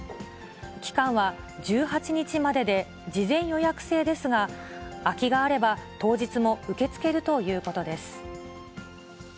期間は１８日までで、事前予約制ですが、空きがあれば当日も受け付けるということです。